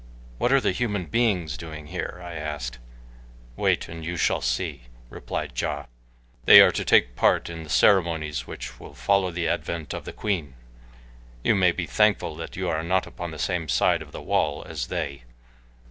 "What are the human beings doing here?" I asked. "Wait and you shall see," replied Ja. "They are to take a leading part in the ceremonies which will follow the advent of the queen. You may be thankful that you are not upon the same side of the wall as they."